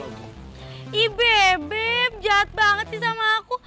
ih beb beb jahat banget sih sama aku